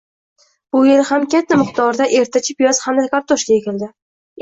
bu yil ham katta miqdorda ertachi piyoz hamda kartoshka ekildi.